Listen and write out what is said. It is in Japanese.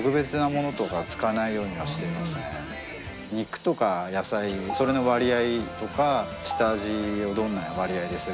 肉とか野菜それの割合とか下味をどんな割合でするか。